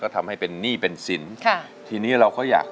ทั้งในเรื่องของการทำงานเคยทำนานแล้วเกิดปัญหาน้อย